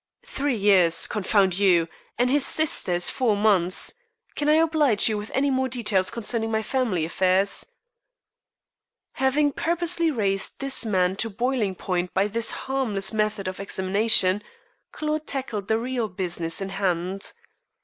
"Three years, confound you, and his sister is four months. Can I oblige you with any more details concerning my family affairs?" Having purposely raised this man to boiling point by this harmless method of examination, Claude tackled the real business in hand.